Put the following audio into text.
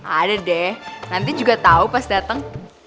ada deh nanti juga tau pas dateng